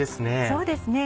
そうですね